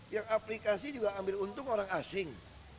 yang aplikasi juga ambil untung orang asing